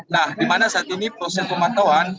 nah di mana saat ini proses pemantauan